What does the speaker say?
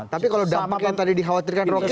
tapi kalau dampak yang tadi dikhawatirkan rocky